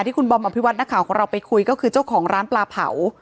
ที่คุณบอมอภิวัตินักข่าวของเราไปคุยก็คือเจ้าของร้านปลาเผา